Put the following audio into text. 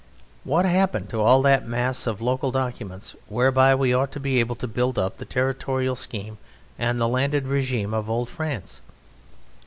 What happened to all that mass of local documents whereby we ought to be able to build up the territorial scheme and the landed regime of old France?